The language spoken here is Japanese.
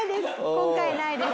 今回ないです。